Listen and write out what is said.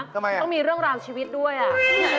ทำไมต้องมีเรื่องราวชีวิตด้วยอ่ะ